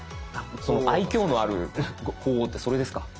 その愛きょうのある鳳凰ってそれですか？